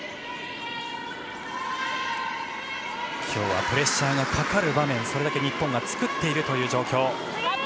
今日はプレッシャーがかかる場面をそれだけ日本が作っている状況。